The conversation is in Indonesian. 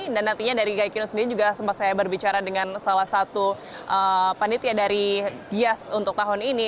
dan nantinya dari gekindo sendiri juga sempat saya berbicara dengan salah satu panitia dari gias untuk tahun ini